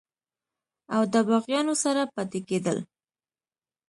او دَباغيانو سره پاتې کيدل